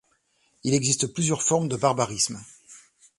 Il existe plusieurs formes de barbarismes.